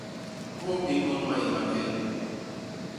Kôp i ñoñ mayé ma kel.